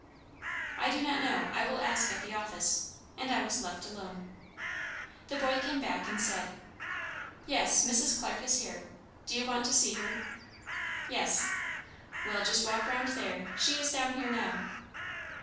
"I do not know. I will ask at the office;" and I was left alone. The boy came back and said: "Yes, Mrs. Clarke is here. Do you want to see her?" "Yes." "Well, just walk round there. She is down here now."